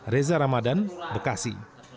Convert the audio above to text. reza ramadan bekasi